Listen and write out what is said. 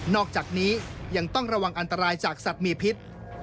อกจากนี้ยังต้องระวังอันตรายจากสัตว์มีพิษ